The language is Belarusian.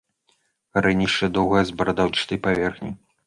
Карэнішча доўгае, з бародаўчатай паверхняй.